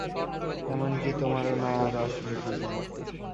এমনকি তোমারও না আর আসলে কী জানো?